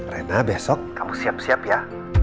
reda besok kamu siap siap ya